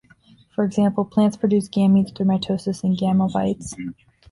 For example, plants produce gametes through mitosis in gametophytes.